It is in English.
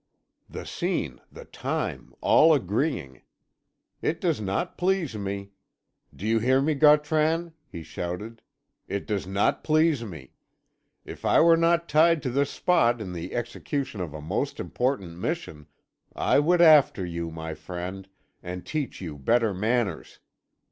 The scene, the time, all agreeing. It does not please me. Do you hear me, Gautran," he shouted. "It does not please me. If I were not tied to this spot in the execution of a most important mission, I would after you, my friend, and teach you better manners.